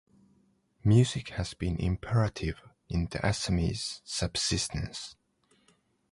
Music has been imperative in the Assamese subsistence.